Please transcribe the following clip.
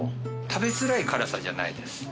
食べづらい辛さじゃないです。